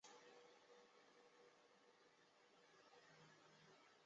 事后朝廷追赠镇军将军。